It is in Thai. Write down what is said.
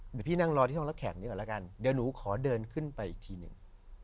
เดี๋ยวพี่นั่งรอที่ห้องรับแขกนี้ก่อนแล้วกันเดี๋ยวหนูขอเดินขึ้นไปอีกทีหนึ่ง